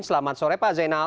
selamat sore pak zainal